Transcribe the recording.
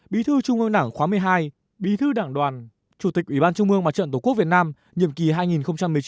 bí thư trung bướng đảng khóa một mươi hai bí thư đảng đoàn chủ tịch ủy ban trung bướng mặt trận tổ quốc việt nam